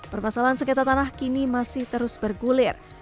permasalahan sengketa tanah kini masih terus bergulir